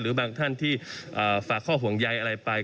บางท่านที่ฝากข้อห่วงใยอะไรไป